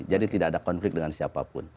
jadi tidak ada konflik dengan siapapun